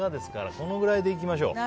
このくらいでいきましょう。